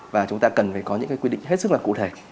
và chúng ta cần phải có những quy định hết sức là cụ thể